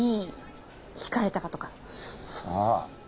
さあ。